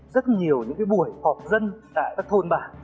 rất nhiều buổi họp dân tại các thôn bảng